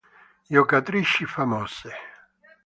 Giocatrici famose